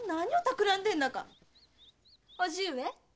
叔父上。